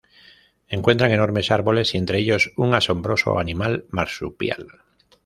Encuentran enormes árboles y, entre ellos, un asombroso animal marsupial.